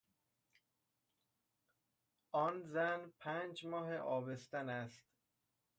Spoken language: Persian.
آن زن پنج ماهه آبستن است.